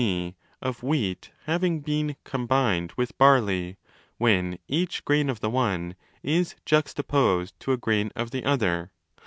g., of wheat having been 'combined' with barley when each grazm of the one is juxtaposed to a grain of the other.